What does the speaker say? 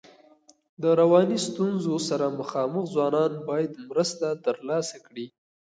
د رواني ستونزو سره مخامخ ځوانان باید مرسته ترلاسه کړي.